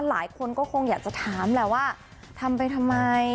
หลายคนก็คงอยากจะถามแหละว่าทำไปทำไม